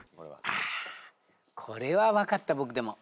あこれは分かった僕でも。